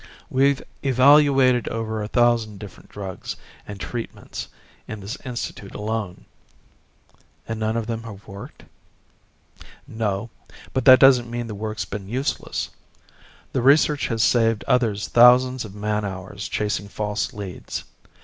We've evaluated over a thousand different drugs and treatments in this Institute alone." "And none of them have worked?" "No but that doesn't mean the work's been useless. The research has saved others thousands of man hours chasing false leads.